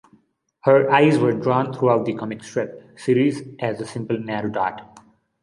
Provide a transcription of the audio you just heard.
Her eyes were drawn throughout the comic strip series as a simple narrow dot.